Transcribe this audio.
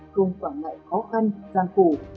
công tỏa ngại khó khăn gian phủ